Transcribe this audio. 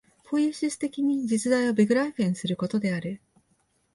ポイエシス的に実在をベグライフェンすることである。